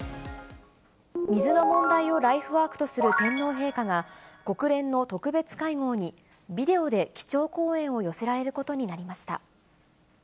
水の問題をライフワークとする天皇陛下が、国連の特別会合に、ビデオで基調講演を寄せられることになりました。